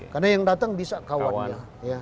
karena yang datang bisa kawannya